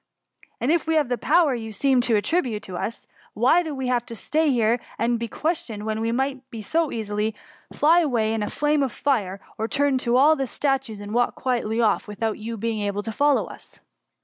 And if we have the po?M|^you seem to attribute to us, why do we ^y here to be questioned, when we might so easily fly away in a flame of fire, or turn you all to statues, and walk quietly off without your being able to fol low us